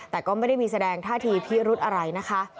แต่ก็ไม่ได้มีแสดงท่าทีพิรุธอะไรนะคะ